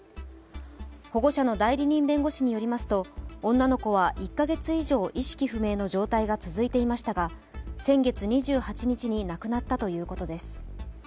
保護者の代理人弁護士によりますと、女の子は１か月以上意識不明の状態が続いていましたが先月２８日に亡くなったということです。